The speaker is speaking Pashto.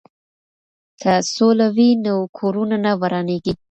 که سوله وي نو کورونه نه ورانیږي.